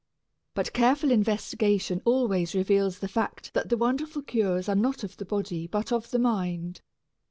But careful investigation always reveals the fact that the wonderful cures are not of the body but of the mind.